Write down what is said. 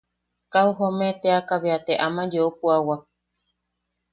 Kau joome teaka bea te ama yeu puʼawak.